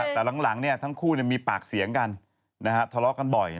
แต่หลังทั้งคู่มีปากเสียงกันทะเลาะกันบ่อย